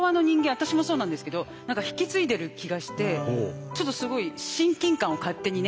私もそうなんですけど何か引き継いでる気がしてちょっとすごい親近感を勝手にね。